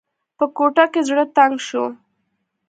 په کوټه کې زړه تنګ شو.